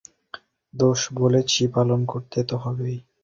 দোস বলেছি, পালন করতে তো হবেই।